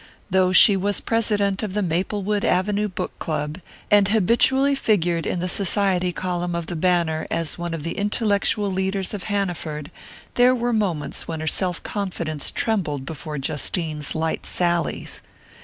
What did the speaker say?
Though she was president of the Maplewood Avenue Book club, and habitually figured in the society column of the "Banner" as one of the intellectual leaders of Hanaford, there were moments when her self confidence trembled before Justine's light sallies.